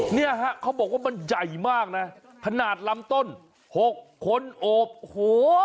เนี่ยฮะเขาบอกว่ามันใหญ่มากนะขนาดลำต้นหกคนโอบโอ้โห